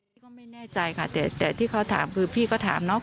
พี่ก็ไม่แน่ใจค่ะแต่ที่เขาถามคือพี่ก็ถามเนาะ